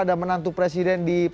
dan menantu presiden di